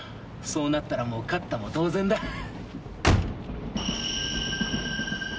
そうなったらもう勝ったも同然だ。